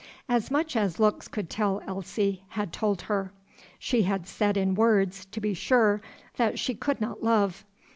As much as looks could tell Elsie had told her. She had said in words, to be sure, that she could not love.